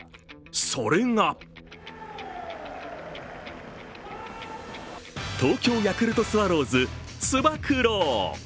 それが東京ヤクルトスワローズつば九郎。